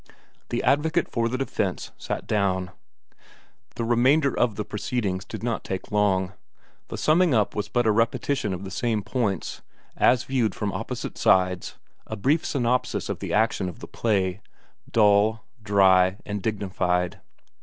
The advocate for the defence sat down. The remainder of the proceedings did not take long. The summing up was but a repetition of the same points, as viewed from opposite sides, a brief synopsis of the action of the play, dry, dull, and dignified.